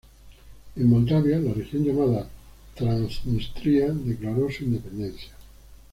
En Moldavia, la región llamada Transnistria declaró su independencia.